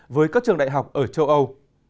với các trường đại học ở châu âu